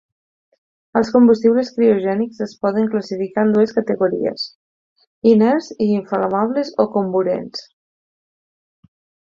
Els combustibles criogènics es poden classificar en dues categories: inerts i inflamables o comburents.